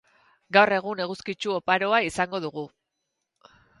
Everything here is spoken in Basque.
Gaur egun eguzkitsu oparoa izango dugu